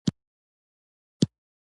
لکه څنګه چې تا د سپینو خبرو غوښتنه وکړه.